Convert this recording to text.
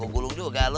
gue gulung juga lo